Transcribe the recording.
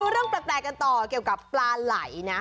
เรื่องแปลกกันต่อเกี่ยวกับปลาไหลนะ